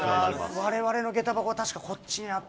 我々の下駄箱は確かこっちにあったはずで。